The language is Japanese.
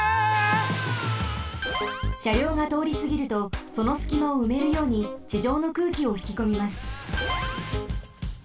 しゃりょうがとおりすぎるとそのすきまをうめるようにちじょうの空気をひきこみます。